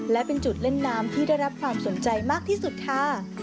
และเป็นจุดเล่นน้ำที่ได้รับความสนใจมากที่สุดค่ะ